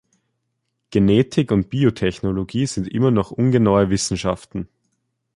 Genetik und Biotechnologie sind immer noch ungenaue Wissenschaften.